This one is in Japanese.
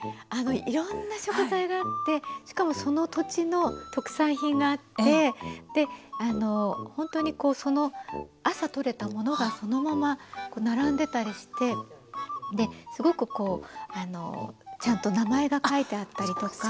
いろんな食材があってしかもその土地の特産品があってほんとにその朝取れたものがそのまま並んでたりしてすごくこうちゃんと名前が書いてあったりとか。